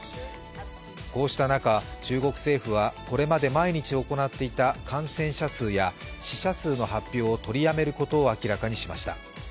こうした中、中国政府は、これまで毎日行っていた感染者数や死者数の発表を取りやめることを明らかにしました。